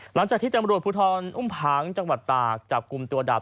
หลังจากที่ตำรวจภูทรอุ้มผังจังหวัดตากจับกลุ่มตัวดาบ